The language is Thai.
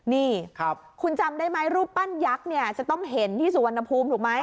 นี่คุณจำได้ไหมรูปปั้นยักษ์เนี่ยจะต้องเห็นที่สุวรรณภูมิถูกไหม